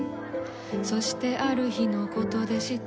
そしてある日のことでした。